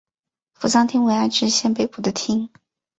扶桑町为爱知县北部的町。